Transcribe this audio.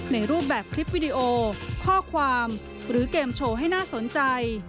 ในรูปแบบคลิปวิดีโอข้อความหรือเกมโชว์ให้น่าสนใจ